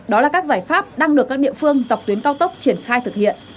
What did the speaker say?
đó là các giải pháp đang được các địa phương dọc tuyến cao tốc triển khai thực hiện